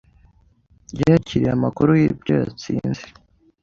Yakiriye amakuru y'ibyo yatsinze